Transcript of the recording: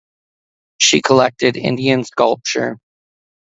She collected Indian sculpture.